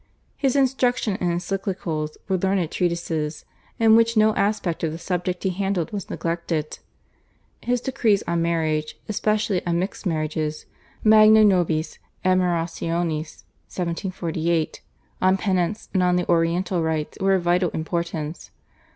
His instructions and encyclicals were learned treatises, in which no aspect of the subject he handled was neglected. His decrees on marriage, especially on mixed marriages (/Magnae Nobis admirationis/, 1748), on Penance, and on the Oriental Rites were of vital importance.